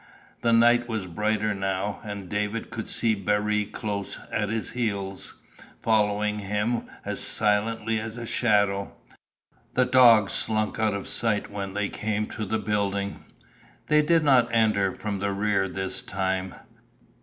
The night was brighter now, and David could see Baree close at his heels, following him as silently as a shadow. The dog slunk out of sight when they came to the building. They did not enter from the rear this time.